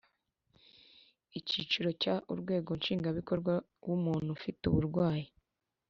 Icyiciro cya Urwego Nshingwabikorwa w umuntu ufite uburwayi